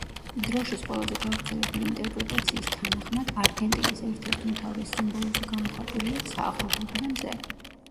დროშის ყველაზე გავრცელებული ინტერპრეტაციის თანახმად, არგენტინის ერთ-ერთ უმთავრეს სიმბოლოზე გამოხატულია ცა, ღრუბლები და მზე.